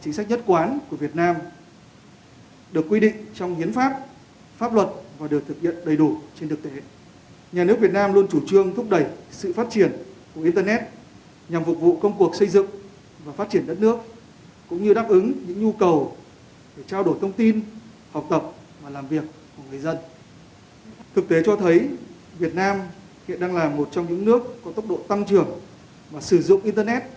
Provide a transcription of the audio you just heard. thực tế cho thấy việt nam hiện đang là một trong những nước có tốc độ tăng trưởng và sử dụng internet và mạng xã hội nhanh nhất trên thế giới